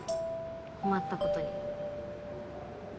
困ったことに。